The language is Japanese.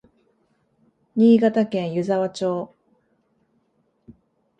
新潟県湯沢町